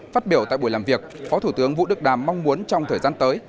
phát biểu tại buổi làm việc phó thủ tướng vũ đức đam mong muốn trong thời gian tới